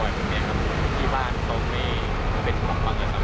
ไปบ่อยแบบนี้ครับที่บ้านต้องมีเป็นความฝังนะครับ